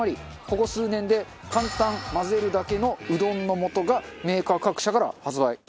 ここ数年で簡単混ぜるだけのうどんの素がメーカー各社から発売。